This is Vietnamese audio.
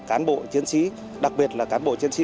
cán bộ chiến sĩ đặc biệt là cán bộ chiến sĩ